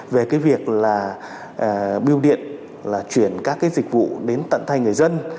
về cái việc là bưu điện là chuyển các dịch vụ đến tận thay người dân